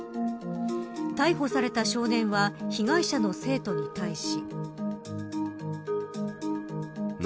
逮捕された少年は被害者の生徒に対し。